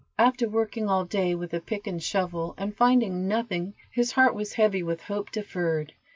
After working all day with the pick and shovel, and finding nothing, his heart was heavy with hope deferred.